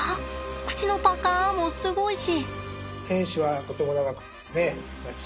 口のパカもすごいし。